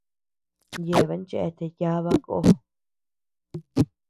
Yeabean chéatea yába kó.